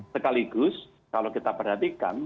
sekaligus kalau kita perhatikan